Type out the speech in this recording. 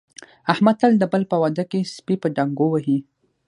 احمد تل د بل په واده کې سپي په ډانګو وهي.